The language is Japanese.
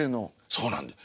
そうなんです。